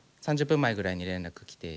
３０分前ぐらいに連絡来て。